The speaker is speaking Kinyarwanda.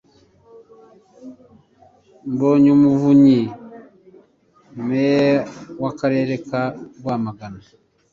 Mbonyumuvunyi, Meya w'akarere ka Rwamagana